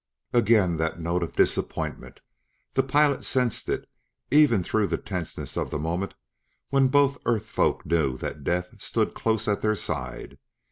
Again that note of disappointment; the pilot sensed it even through the tenseness of the moment when both Earth folk knew that death stood close at their side.